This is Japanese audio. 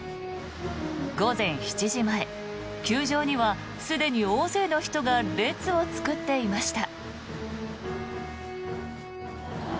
午前７時前、球場にはすでに大勢の人が列を作っていました。